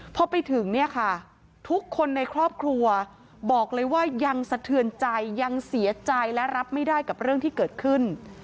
พอไปถึงเนี่ยค่ะทุกคนในครอบครัวบอกเลยว่ายังสะเทือนใจยังเสียใจและรับไม่ได้กับเรื่องที่เกิดขึ้น